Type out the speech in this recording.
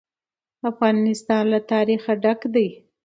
افغانستان له تاریخ ډک دی.